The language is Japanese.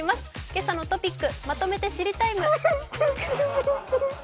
「けさのトピックまとめて知りＴＩＭＥ，」。